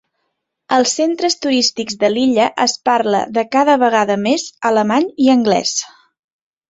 Als centres turístics de l'illa es parla, de cada vegada més, alemany i anglès.